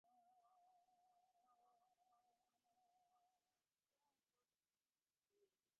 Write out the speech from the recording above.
অবিলম্বে হামলার জন্য দায়ী ব্যক্তিদের গ্রেপ্তার করে দৃষ্টান্তমূলক শাস্তির আহ্বান জানিয়েছেন তাঁরা।